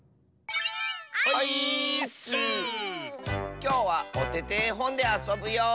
きょうは「おててえほん」であそぶよ！